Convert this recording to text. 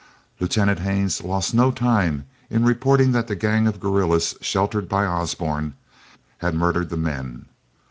Lieutenant Haines lost no time in reporting that the gang of guerrillas sheltered by Osborne had murdered the men.